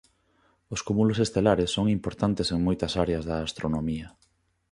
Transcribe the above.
Os cúmulos estelares son importantes en moitas áreas da astronomía.